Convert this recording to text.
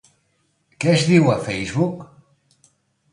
Què es diu a Facebook?